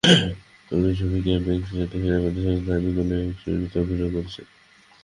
নতুন ছবি ক্যাম্প এক্স-রেতে সেনাবাহিনীর সদস্য অ্যামি কোলের চরিত্রে অভিনয় করেছেন।